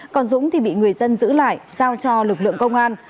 còn dũng thì bị người dân giữ lại giao cho lực lượng công an